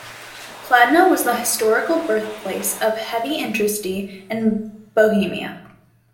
Kladno was the historical birthplace of heavy industry in Bohemia.